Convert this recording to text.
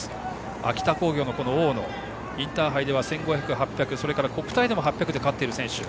秋田工業の大野インターハイでは１５００、８００国体でも８００で勝っている選手。